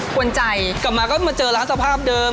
วนใจกลับมาก็มาเจอร้านสภาพเดิม